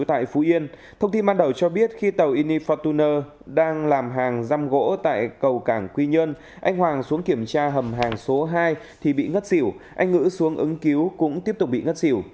tại phú yên thông tin ban đầu cho biết khi tàu inifortuner đang làm hàng răm gỗ tại cầu cảng quy nhơn anh hoàng xuống kiểm tra hầm hàng số hai thì bị ngất xỉu anh ngữ xuống ứng cứu cũng tiếp tục bị ngất xỉu